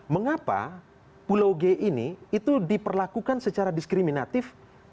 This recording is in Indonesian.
mengapa pulau g ini itu diperlakukan secara diskriminatif